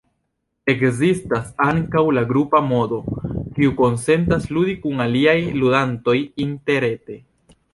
Ekzistas ankaŭ la "grupa modo", kiu konsentas ludi kun aliaj ludantoj interrete.